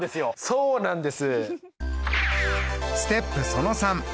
そうなんです。